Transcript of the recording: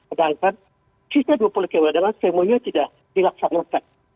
sedangkan sisa dua puluh kewenangan semuanya tidak dilaksanakan